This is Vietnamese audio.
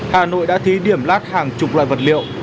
hà nội đã thí điểm lát hàng chục loài vật liệu